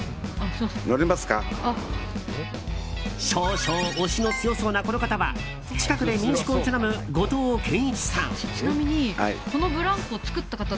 少々、押しの強そうなこの方は近くで民宿を営む後藤健一さん。